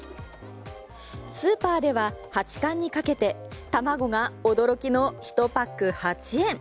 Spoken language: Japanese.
スーパーでは八冠にかけて卵が驚きの１パック８円。